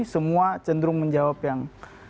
semua cenderung menjawab yang